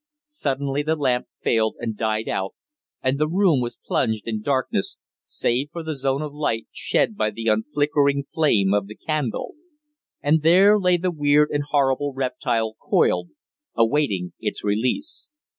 Suddenly the lamp failed and died out, and the room was plunged in darkness, save for the zone of light shed by the unflickering flame of the candle. And there lay the weird and horrible reptile coiled, awaiting its release.